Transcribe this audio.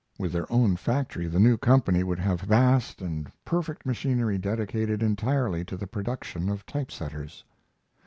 With their own factory the new company would have vast and perfect machinery dedicated entirely to the production of type setters.